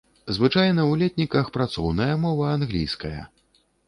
Звычайна ў летніках працоўная мова англійская.